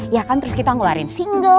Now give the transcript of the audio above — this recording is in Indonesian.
ya kan terus kita ngeluarin single